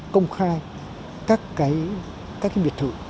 công khai các cái biệt thự